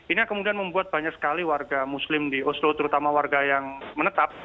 ini yang kemudian membuat banyak sekali warga muslim di oslo terutama warga yang menetap